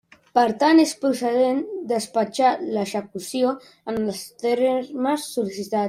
Per tant, és procedent despatxar l'execució en els termes sol·licitats.